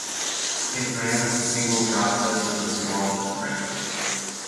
It ran as a single process with a small footprint.